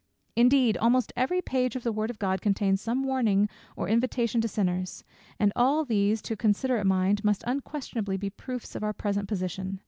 Indeed almost every page of the word of God contains some warning or invitation to sinners; and all these, to a considerate mind, must unquestionably be proofs of our present position.